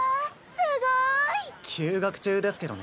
すごい！休学中ですけどね。